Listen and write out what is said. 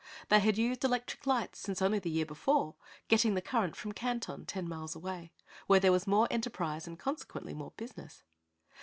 They had used electric lights since only the year before, getting the current from Canton, ten miles away, where there was more enterprise and consequently more business.